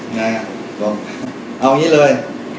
เอาอย่างนี้เลย